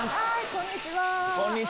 こんにちは。